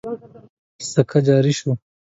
سکه جاري شوه.